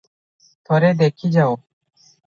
ଥରେ ଦେଖି ଯାଅ!